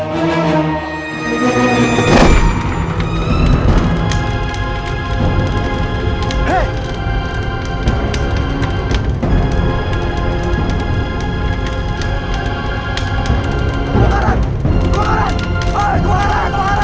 jangan sampai gagal